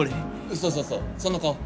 そうそうそう、その顔。